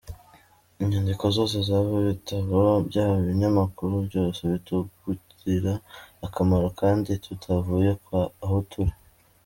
Inyandiko zose zaba ibitabo, byaba ibinyamakuru byose bitugirira akamaro kandi tutavuye aho turi.